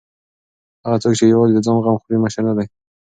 هغه څوک چې یوازې د ځان غم خوري مشر نه دی.